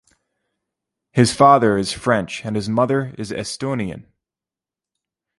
His father is French and his mother Estonian.